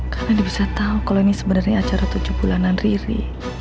karena dia bisa tahu kalau ini sebenarnya acara tujuh bulanan riri